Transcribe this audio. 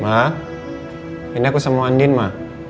ma ini aku sama andin ma